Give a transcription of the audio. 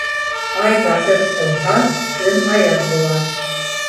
Ай баҫып тыуһа, көн аяҙ була.